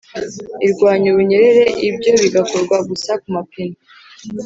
irwanya ubunyerere ibyo bigakorwa gusa kumapine